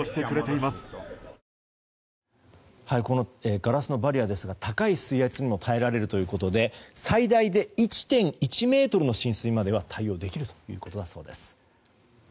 ガラスのバリアーですが高い水圧にも耐えられるということで最大で１．１ｍの浸水までは対応できるということだそうです。